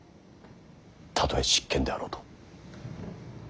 たとえ執権であろうと。